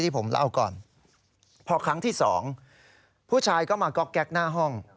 พอครั้งที่สองผู้ชายก็มาก๊อกแก๊กหน้าห้อง